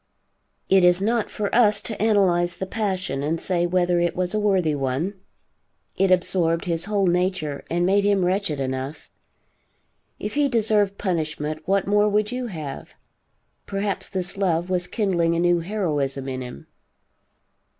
It is not for us to analyze the passion and say whether it was a worthy one. It absorbed his whole nature and made him wretched enough. If he deserved punishment, what more would you have? Perhaps this love was kindling a new heroism in him.